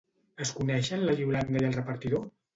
Es coneixen la Iolanda i el repartidor?